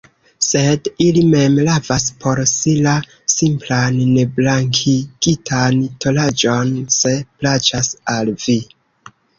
Sed ili mem lavas por si la simplan, neblankigitan tolaĵon, se plaĉas al vi.